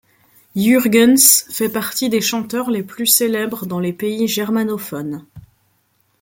Jürgens fait partie des chanteurs les plus célèbres dans les pays germanophones.